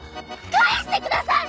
返してください！！